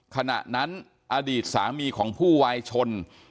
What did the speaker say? ขณะนั้นอดีตสามีของผู้วายชน